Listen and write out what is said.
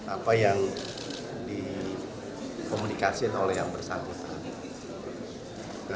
apa yang dikomunikasi oleh yang bersama